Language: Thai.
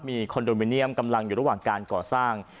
มีคอนโดมิเนียมกำลังอยู่ระหว่างการก่อสร้าง